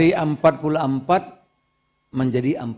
ini kita syukuri walaupun kita berharap enam puluh